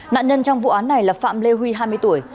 nạn nhân trong vụ án này là phạm lê huy hai mươi tuổi